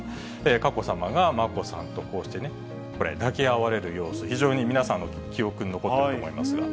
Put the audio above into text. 佳子さまが眞子さんとこうしてね、これ、抱き合われる様子、非常に皆さんの記憶に残っていると思いますが。